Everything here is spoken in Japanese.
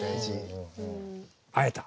会えた？